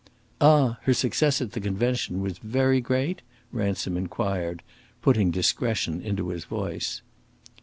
"Ah! her success at the convention was very great?" Ransom inquired, putting discretion into his voice.